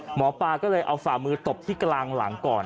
หมอปลาก็เลยเอาฝ่ามือตบที่กลางหลังก่อน